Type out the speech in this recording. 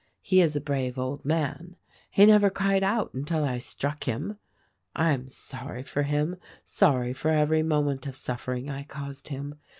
He is a brave old man. He never cried out until I struck him. I am sorry for him, sorry for every moment of suffering I caused him.